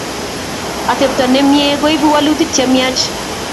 Atepto nemie koipu walutik che miach